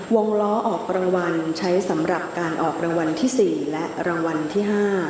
วงล้อออกรางวัลใช้สำหรับการออกรางวัลที่๔และรางวัลที่๕